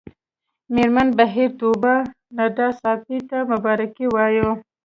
مېرمن بهیر طوبا ندا ساپۍ ته مبارکي وايي